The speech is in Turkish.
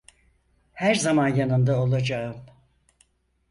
Her zaman yanında olacağım.